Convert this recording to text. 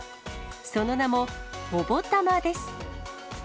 その名もほぼたまです。